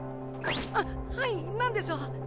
あっはい何でしょう。